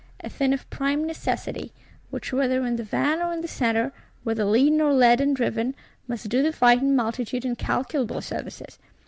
A thing of prime necessity; which whether in the van or in the centre, whether leading or led and driven, must do the fighting multitude incalculable services.